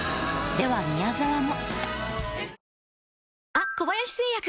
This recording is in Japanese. では宮沢も。